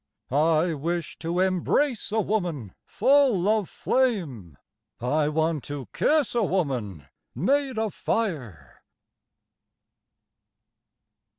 I wish to embrace a woman full of flame, I want to kiss a woman made of fire.